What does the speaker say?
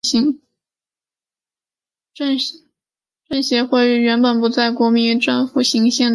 政协会议原本不在国民政府行宪的预备步骤中。